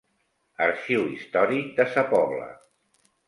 Arxiu Històric de Sa Pobla.